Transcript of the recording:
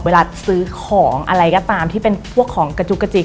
เวลาซื้อของอะไรก็ตามที่เป็นพวกของกระจุกกระจิก